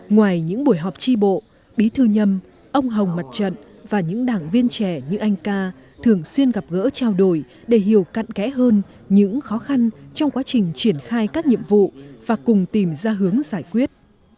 ngoài những buổi họp tri bộ bí thư nhâm ông hồng mặt trận và những đảng viên trẻ như anh ca thường xuyên gặp gỡ trao đổi để hiểu cạn kẽ hơn những khó khăn trong quá trình triển khai các nhiệm vụ và cùng tìm ra hướng giải quyết